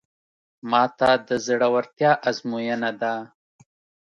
ماته د زړورتیا ازموینه ده.